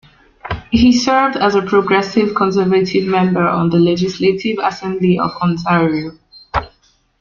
He served as a Progressive Conservative member of the Legislative Assembly of Ontario.